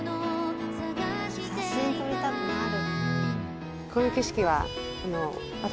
写真撮りたくなる。